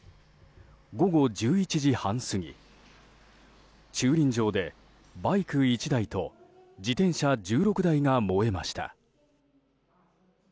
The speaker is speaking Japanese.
午後１１時半過ぎ、駐輪場でバイク１台と自転車１６台が燃えました。